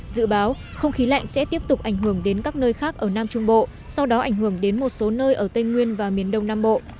dự báo không khí lạnh sẽ tiếp tục ảnh hưởng đến các nơi khác ở nam trung bộ sau đó ảnh hưởng đến một số nơi ở tây nguyên và miền đông nam bộ